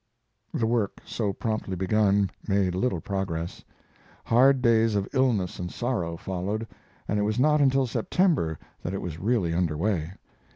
The work so promptly begun made little progress. Hard days of illness and sorrow followed, and it was not until September that it was really under way.